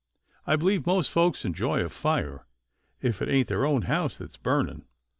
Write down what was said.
I believe most folks enjoy a fire, if it ain't their own house that's burning.